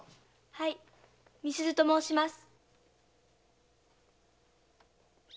はい美鈴と申します。